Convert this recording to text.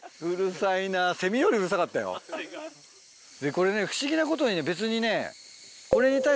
これね不思議なことにね別にね。